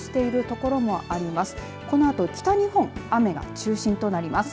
このあと北日本、雨が中心となります。